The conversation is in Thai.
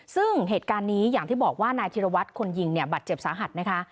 ซึ่งเหตุการณ์นี้อย่างที่บอกว่านายธิรวัตรคนยิงเนี่ยบาดเจ็บสาหัสนะคะ